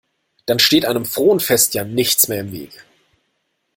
Dann steht einem frohen Fest ja nichts mehr im Weg.